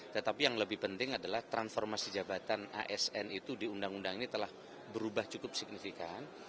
tetapi yang lebih penting adalah transformasi jabatan asn itu di undang undang ini telah berubah cukup signifikan